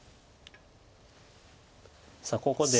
さあここで。